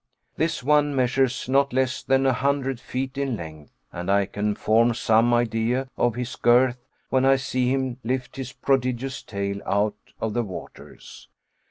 This one measures not less than a hundred feet in length, and I can form some idea of his girth when I see him lift his prodigious tail out of the waters.